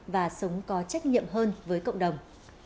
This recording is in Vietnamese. và sống có trách nhiệm hơn với cộng đồng